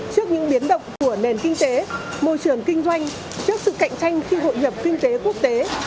trước những biến động của nền kinh tế môi trường kinh doanh trước sự cạnh tranh khi hội nhập kinh tế quốc tế